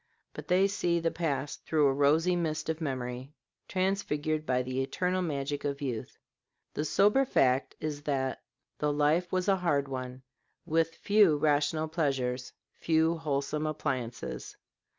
But they see the past through a rosy mist of memory, transfigured by the eternal magic of youth. The sober fact is that the life was a hard one, with few rational pleasures, few wholesome appliances.